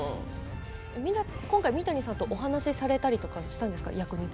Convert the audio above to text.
今回、三谷さんとお話をされたりしたんですか？